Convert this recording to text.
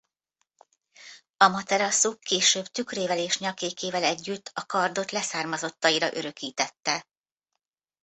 Amateraszu később tükrével és nyakékével együtt a kardot leszármazottaira örökítette.